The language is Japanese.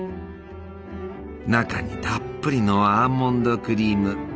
中にたっぷりのアーモンドクリーム。